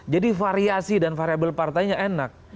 jadi variasi dan variable partainya enak